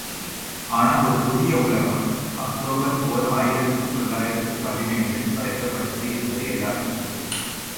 ஆனால் ஒரு புதிய உலகம் அக்டோபர் ஓர் ஆயிரத்து தொள்ளாயிரத்து பதினேழு ல் படைக்கப்பட்டது என்பது எல்லோருக்கும் தெரியும்.